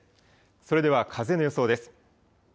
それでは風の予想です。